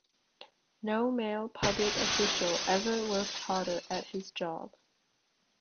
No male public official ever worked harder at his job.